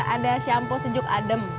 ada shampoo sejuk adem